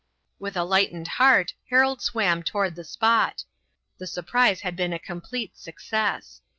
With a lightened heart Harold swam toward the spot. The surprise had been a complete success.